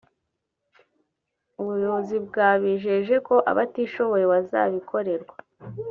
ubuyobozi bwabijeje ko abatishoboye bazabikorerwa